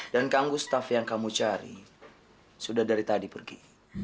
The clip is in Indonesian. dan kang gustaf yang kamu cari sudah dari tadi pergi